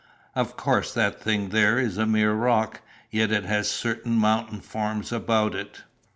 Of course, that thing there is a mere rock, yet it has certain mountain forms about it.